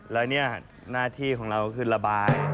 แล้วเนี่ยหน้าที่ของเราก็คือระบาย